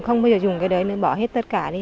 không bao giờ dùng cái đấy nên bỏ hết tất cả đi